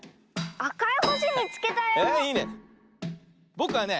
ぼくはね